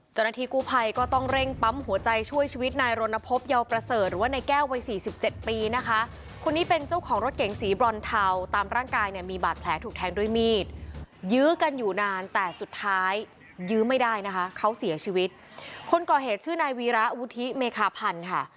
เจ้าหน้าที่กู้ภัยก็ต้องเร่งปั๊มหัวใจช่วยชีวิตนายรณพบเยาวประเสริฐหรือว่านายแก้ววัยสี่สิบเจ็ดปีนะคะคนนี้เป็นเจ้าของรถเก๋งสีบรอนเทาตามร่างกายเนี่ยมีบาดแผลถูกแทงด้วยมีดยื้อกันอยู่นานแต่สุดท้ายยื้อไม่ได้นะคะเขาเสียชีวิตคนก่อเหตุชื่อนายวีระวุฒิเมคาพันธ์ค่ะ